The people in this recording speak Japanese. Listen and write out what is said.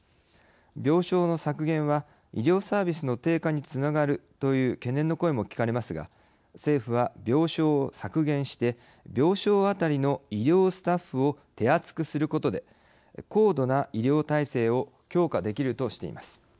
病床の削減は医療サービスの低下につながるという懸念の声も聞かれますが政府は、病床を削減して病床当たりの医療スタッフを手厚くすることで高度な医療体制を強化できるとしています。